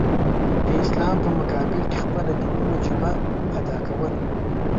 د اسلام په مقابل کې خپله دیني وجیبه ادا کوي.